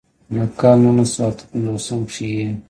پۀ کال نولس سوه اتۀ پنځوستم کښې ئې